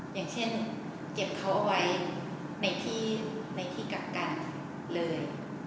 อย่างเช่นเก็บเขาเอาไว้ในที่กักกันเลย